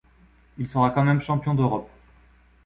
Il sera quand même champion d'Europe.